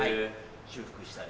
修復したり。